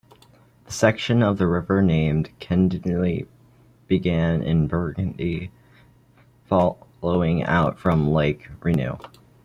The section of river named Kagera begins in Burundi, flowing out from Lake Rweru.